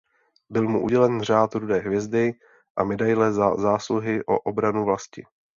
Byl mu udělen Řád rudé hvězdy a Medaile Za zásluhy o obranu vlasti.